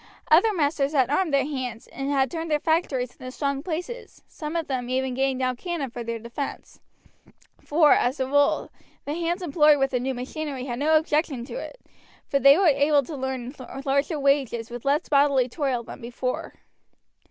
Other masters had armed their hands, and had turned their factories into strong places, some of them even getting down cannon for their defense: for, as a rule, the hands employed with the new machinery had no objection to it, for they were able to earn larger wages with less bodily toil than before.